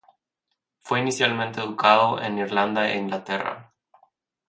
Fue inicialmente educado en Irlanda e Inglaterra.